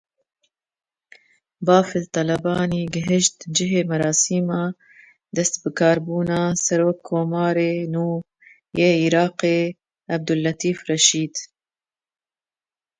Bafel Talebanî gihîşt cihê merasima destbikarbûna serokkomarê nû yê Iraqê Ebdulletîf Reşîd.